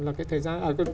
là cái thời gian